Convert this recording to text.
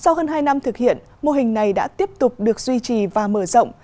sau hơn hai năm thực hiện mô hình này đã tiếp tục được duy trì và mở rộng